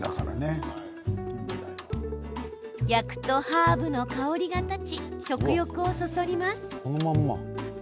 焼くとハーブの香りが立ち食欲をそそります。